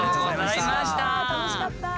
楽しかった！